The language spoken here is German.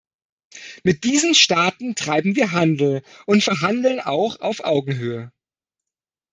Mit diesen Staaten treiben wir Handel und verhandeln auch auf Augenhöhe.